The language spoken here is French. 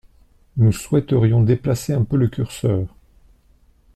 Nous souhaiterions déplacer un peu le curseur.